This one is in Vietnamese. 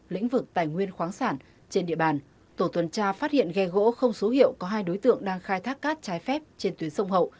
lĩnh vực tài nguyên khoáng sản trên địa bàn tổ tuần tra phát hiện ghe gỗ không số hiệu có hai đối tượng đang khai thác cát trái phép trên tuyến sông hậu